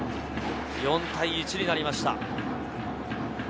４対１となりました。